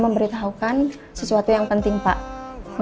sekarang kamu lebih memilih aku